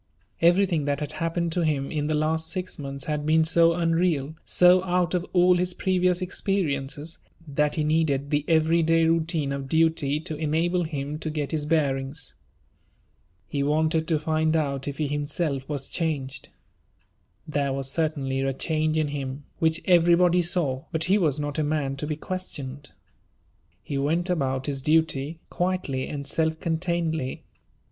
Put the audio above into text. Everything that had happened to him in the last six months had been so unreal, so out of all his previous experiences, that he needed the every day routine of duty to enable him to get his bearings. He wanted to find out if he himself was changed. There was certainly a change in him, which everybody saw; but he was not a man to be questioned. He went about his duty, quietly and self containedly.